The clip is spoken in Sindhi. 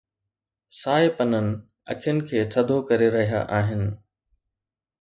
سائي پنن اکين کي ٿڌو ڪري رهيا آهن.